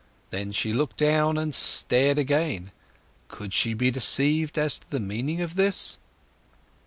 Then she looked down, then stared again. Could she be deceived as to the meaning of this?